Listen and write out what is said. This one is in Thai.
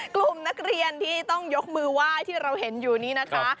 กลุ่มนักเรียนที่ต้องยกมือไหว้ที่เราเห็นอยู่นี้นะคะ